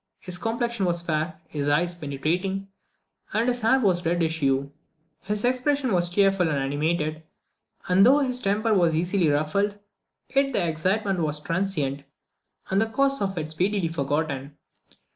His complexion was fair, his eyes penetrating, and his hair of a reddish hue. His expression was cheerful and animated, and though his temper was easily ruffled, yet the excitement was transient, and the cause of it speedily forgotten.